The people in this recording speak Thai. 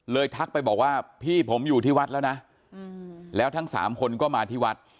ทักไปบอกว่าพี่ผมอยู่ที่วัดแล้วนะแล้วทั้งสามคนก็มาที่วัด